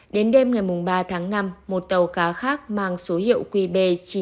đến đêm ngày ba tháng năm một tàu cá khác mang số hiệu qb chín mươi tám sáu mươi bốn